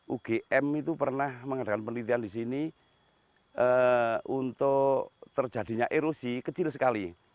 ugm itu pernah mengadakan penelitian di sini untuk terjadinya erusi kecil sekali